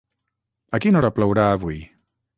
A quina hora plourà avui?